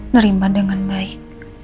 nerima dengan baik